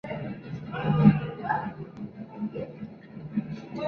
En el pueblo de Real de la Jara los agitadores incendian la iglesia local.